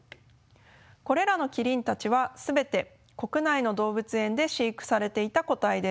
これらのキリンたちは全て国内の動物園で飼育されていた個体です。